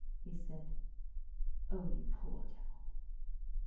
he said. "Oh, you poor Devil!"